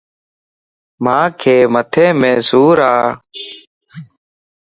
مانک مٿي مَ سُور ا.